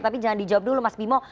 tapi jangan dijawab dulu mas bimo